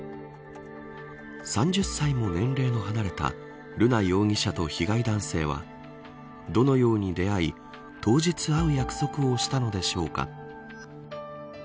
３０歳も年齢の離れた瑠奈容疑者と被害男性はどのように出会い当日、会う約束をしたのでしょうか。